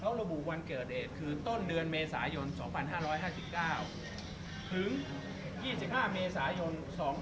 เขาระบุวันเกิดเหตุคือต้นเดือนเมษายน๒๕๕๙ถึง๒๕เมษายน๒๕๖